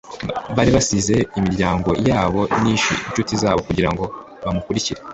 Bari barasize imiryango yabo n'inshuti zabo kugira ngo bamukurikire,